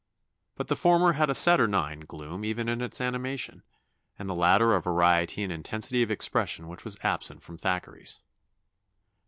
But the former had a saturnine gloom even in its animation, and the latter a variety and intensity of expression which was absent from Thackeray's."